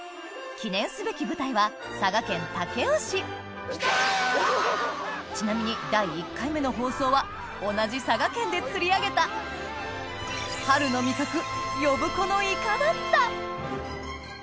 記念すべき舞台はちなみに第１回目の放送は同じ佐賀県で釣り上げた春の味覚呼子のイカだった！